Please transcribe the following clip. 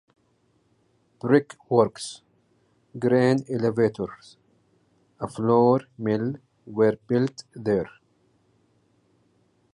Brickworks, grain elevators, a floor mill were built there.